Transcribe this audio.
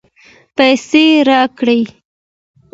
پیسې راکړې.